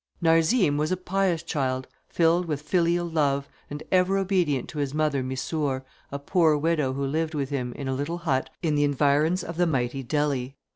Narzim was a pious child, filled with filial love, and ever obedient to his mother Missour, a poor widow who lived with him, in a little hut, in the environs of the mighty Delhi.